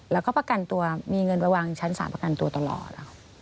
แล้วก็ประกันตัวมีเงินไปวางชั้นสารประกันตัวตลอด